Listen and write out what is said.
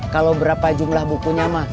kalau berapa jumlah bukunya mas